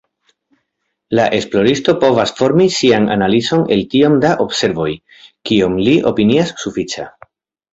La esploristo povas formi sian analizon el tiom da observoj, kiom li opinias sufiĉa.